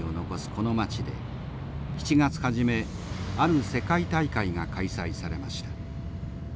この町で７月初めある世界大会が開催されました。